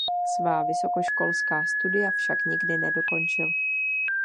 Svá vysokoškolská studia však nikdy nedokončil.